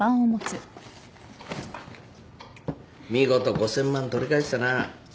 見事５，０００万取り返したな。